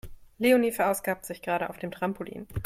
Leonie verausgabt sich gerade auf dem Trampolin.